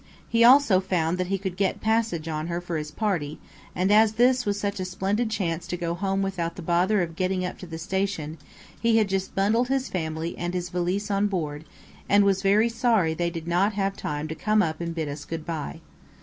He also found that he could get passage on her for his party, and as this was such a splendid chance to go home without the bother of getting up to the station, he had just bundled his family and his valise on board, and was very sorry they did not have time to come up and bid us good bye.